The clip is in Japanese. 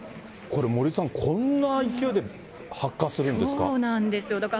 これ、森さん、こんな勢いで発火するんですか。